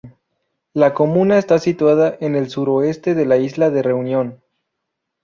La comuna está situada en el suroeste de la isla de Reunión.